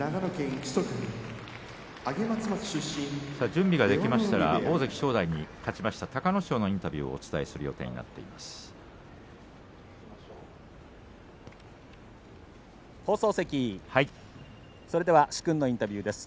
準備ができましたら大関正代に勝ちました隆の勝のインタビューをお伝えする予定です。